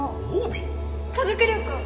家族旅行！